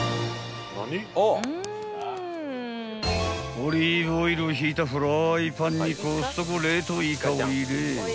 ［オリーブオイルを引いたフライパンにコストコ冷凍イカを入れ］